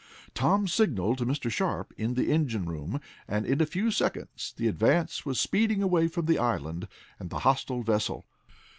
Tom signaled to Mr. Sharp in the engine room, and in a few seconds the Advance was speeding away from the island and the hostile vessel.